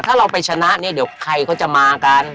ถ้าเราไปชนะเนี่ยเดี๋ยวใครเขาจะมากัน